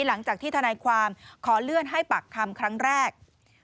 หลังจากที่ทนายความขอเลื่อนให้ปากคำครั้งแรก